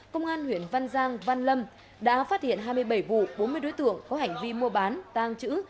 công an huyện văn giang văn lâm đã phát hiện hai mươi bảy vụ bốn mươi đối tượng có hành vi mua bán tàng trữ